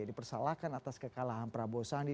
dipersalahkan atas kekalahan prabowo sandi